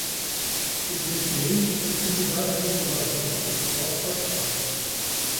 Evidentemente, a necessidade de renovação processual faz parte